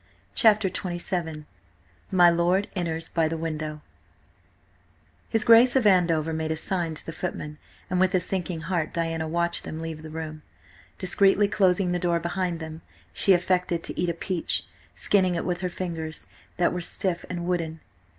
CHAPTER XXVII MY LORD ENTERS BY THE WINDOW HIS GRACE OF ANDOVER made a sign to the footmen, and with a sinking heart Diana watched them leave the room, discreetly closing the door behind them. She affected to eat a peach, skinning it with fingers that were stiff and wooden.